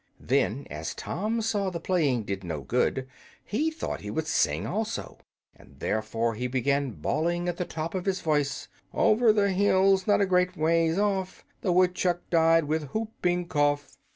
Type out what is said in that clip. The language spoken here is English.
Then, as Tom saw the playing did no good, he thought he would sing also, and therefore he began bawling, at the top of his voice, "Over the hills, not a great ways off, The woodchuck died with the whooping cough!"